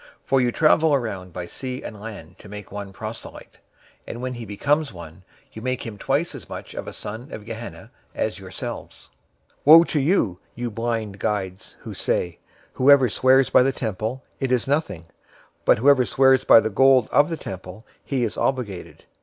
For you travel around by sea and land to make one proselyte; and when he becomes one, you make him twice as much of a son of Gehenna{or, Hell} as yourselves. 023:016 "Woe to you, you blind guides, who say, 'Whoever swears by the temple, it is nothing; but whoever swears by the gold of the temple, he is obligated.'